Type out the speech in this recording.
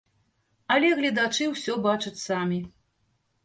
Але гледачы ўсё бачаць самі.